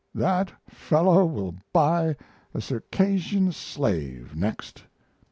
That fellow will buy a Circassian slave next.